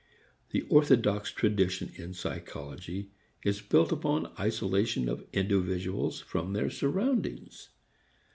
The orthodox tradition in psychology is built upon isolation of individuals from their surroundings.